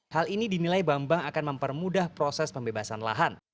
hal ini dinilai bambang akan mempermudah proses pembebasan lahan